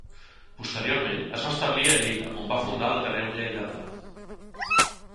Posteriorment es va establir a Lleida, on va fundar l'Ateneu Lleidatà.